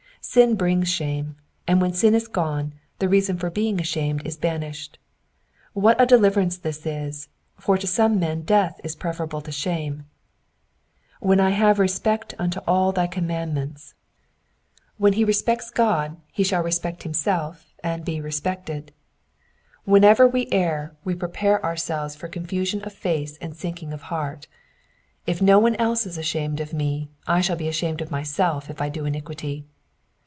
Sin brings shame, and when sin is gone, the reason for being ashamed is banished. What a de liverance this is, for to some men death is preferable to shame I ^''When I hate respect vnto all thy commandments.^^ Wheoi he respects God he ahall; 2 Digitized by VjOOQIC 18 EXPOSITIONS OF THE PSALMS. respect himself and be respected. Whenever we err we prepare ourselves for confusion of face and sinking of heart : if no one else is ashamed of me 1 shall be ashamed of myself if I do iniquity.